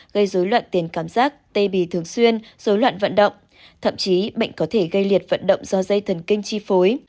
gây dối loạn tiền cảm giác tê bì thường xuyên dối loạn vận động thậm chí bệnh có thể gây liệt vận động do dây thần kinh chi phối